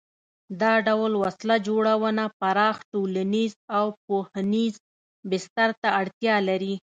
دا ډول وسله جوړونه پراخ ټولنیز او پوهنیز بستر ته اړتیا لري.